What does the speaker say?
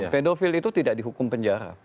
pedofil itu tidak dihukum penjara